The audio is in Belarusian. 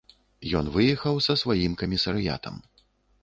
Ён выехаў з сваім камісарыятам.